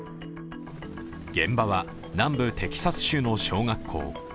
現場は南部テキサス州の小学校。